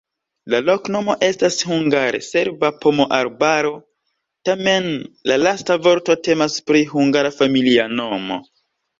La loknomo estas hungare: serba-pomoarbaro, tamen la lasta vorto temas pri hungara familia nomo.